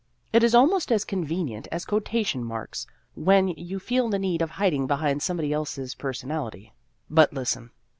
It is almost as convenient as quotation marks when you feel the need of hiding behind somebody's else personality.) But listen